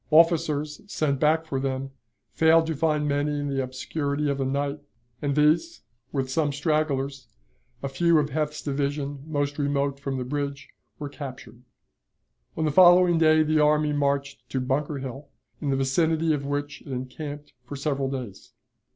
Officers sent back for them failed to find many in the obscurity of the night, and these, with some stragglers, a few of Heth's division most remote from the bridge, were captured. On the following day the army marched to Bunker Hill, in the vicinity of which it encamped for several days.